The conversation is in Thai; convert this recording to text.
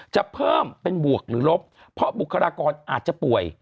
จะเพิ่มเป็นบวกหรือลบเพราะบุคลากรอาจจะป่วย